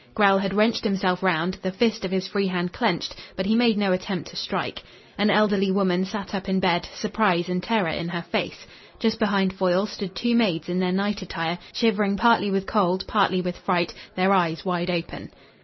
Grell had wrenched himself round, the fist of his free hand clenched, but he made no attempt to strike. An elderly woman sat up in bed, surprise and terror in her face. Just behind Foyle stood two maids in their night attire, shivering partly with cold, partly with fright, their eyes wide open.